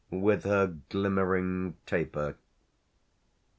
with her glimmering taper.